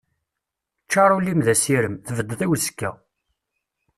Ččar ul-im d asirem, tbeddeḍ i uzekka.